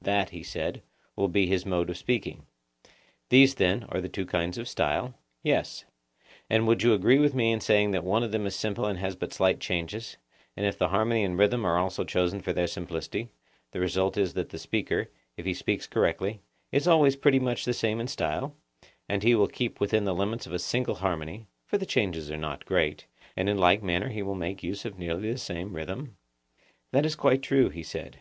That, he said, will be his mode of speaking. These, then, are the two kinds of style? Yes. And you would agree with me in saying that one of them is simple and has but slight changes; and if the harmony and rhythm are also chosen for their simplicity, the result is that the speaker, if he speaks correctly, is always pretty much the same in style, and he will keep within the limits of a single harmony (for the changes are not great), and in like manner he will make use of nearly the same rhythm? That is quite true, he said.